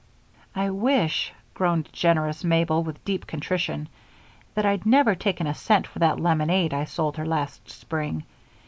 "I wish," groaned generous Mabel, with deep contrition, "that I'd never taken a cent for that lemonade I sold her last spring.